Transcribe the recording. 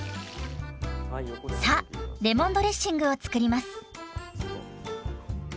さあレモンドレッシングを作ります。